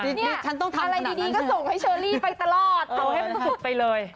นี่อะไรดีก็ส่งให้เชอร์ลี่ไปตลอดเอาให้มันสุดไปเลยเออนะครับ